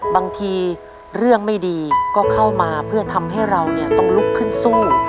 บางทีเรื่องไม่ดีก็เข้ามาเพื่อทำให้เราต้องลุกขึ้นสู้